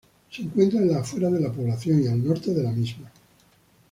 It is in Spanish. Se encuentra a las afueras de la población y al norte de la misma.